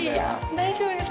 大丈夫です。